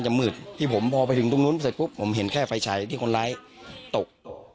มืดที่ผมพอไปถึงตรงนู้นเสร็จปุ๊บผมเห็นแค่ไฟฉายที่คนร้ายตก